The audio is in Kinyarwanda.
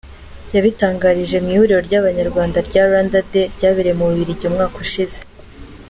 Yabitangarije mu ihuriro ry’Abanyarwanda rya “Rwanda Day” ryabereye mu Bubiligi umwaka ushize.